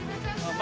あ！